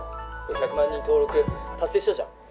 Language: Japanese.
１００万人登録達成したじゃん」